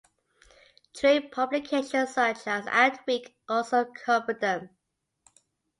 Trade publications such as Adweek also cover them.